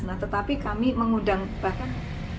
nah tetapi kami mengundang bahkan